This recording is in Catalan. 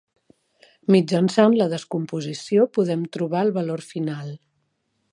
Mitjançant la descomposició, podem trobar el valor final.